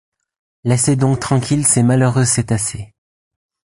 Laissez donc tranquilles ces malheureux cétacés.